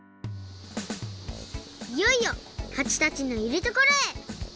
いよいよはちたちのいるところへ！